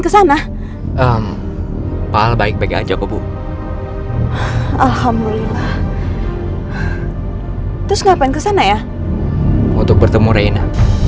ke sana eh pak baik baik aja bu alhamdulillah terus ngapain kesana ya untuk bertemu reina